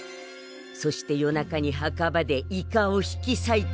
そして夜中に墓場でイカを引きさいて食べる。